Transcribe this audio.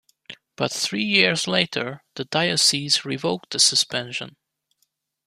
But three years later, the diocese revoked the suspension.